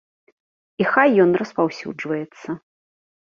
І хай ён распаўсюджваецца.